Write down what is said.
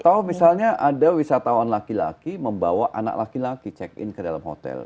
atau misalnya ada wisatawan laki laki membawa anak laki laki check in ke dalam hotel